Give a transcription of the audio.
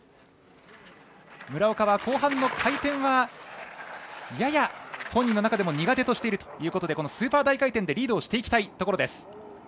村岡は後半の回転はやや本人の中でも苦手にしているということでスーパー大回転でリードしていきたいところです。